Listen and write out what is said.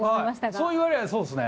そう言われりゃそうですね。